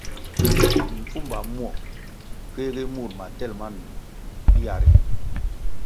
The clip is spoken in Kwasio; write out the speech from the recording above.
Mpfuma muo kéhgi mur matel ma num yah ri.